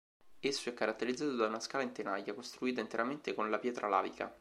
Esso è caratterizzato da una scala in tenaglia costruita interamente con la pietra lavica.